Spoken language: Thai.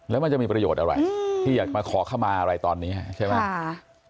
แล้วมันจะมีประโยชน์อะไรที่อยากมาขอเข้ามาอะไรตอนนี้ใช่ไหม